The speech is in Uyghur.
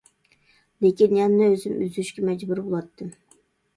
لېكىن، يەنىلا ئۆزۈم ئۈزۈشكە مەجبۇر بولاتتىم.